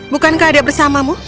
bukankah ada bersamamu